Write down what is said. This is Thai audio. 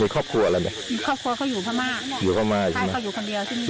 มีครอบครัวอะไรไหมครอบครัวเขาอยู่พระม่าอยู่พระม่าใช่ไหมใช่เขาอยู่คนเดียว